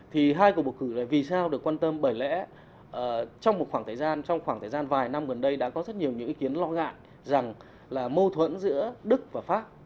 thì hai cuộc bầu cử này vì sao được quan tâm bởi lẽ trong một khoảng thời gian trong khoảng thời gian vài năm gần đây đã có rất nhiều những ý kiến lo ngại rằng là mâu thuẫn giữa đức và pháp